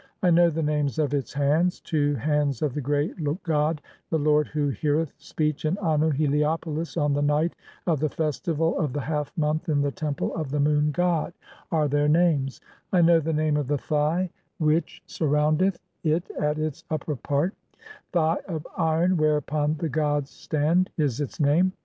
(12) I know "the names of its hands ; 'Two hands of the great god, the lord "who heareth speech in Annu (Heliopolis) on the night of the "festival of the half month in the Temple of the Moon god' ... "(i3) [are their names]. I know the name of the Thigh which THE CHAPTER OF COMING FORTH FROM THE NET. 279 "surroundeth it at its upper part ; 'Thigh of iron whereupon "the gods stand' [is its name].